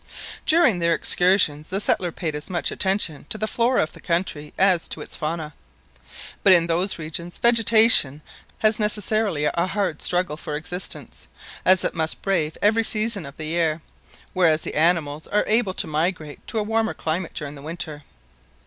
During their excursions the settlers paid as much attention to the Flora of the country as to its Fauna; but in those regions vegetation, has necessarily a hard struggle for existence, as it must brave every season of the year, whereas the animals are able to migrate to a warmer climate during the winter.